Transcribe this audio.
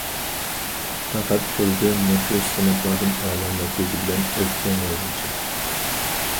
ئەخەت تۇردى مۇشۇ سىناقلاردىن ئەلا نەتىجە بىلەن ئۆتكەن يازغۇچى.